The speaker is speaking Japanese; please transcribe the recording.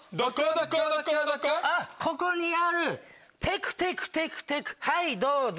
あっここにあるテクテクテクテクはいどうぞ